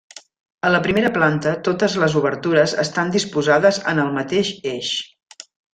A la primera planta totes les obertures estan disposades en el mateix eix.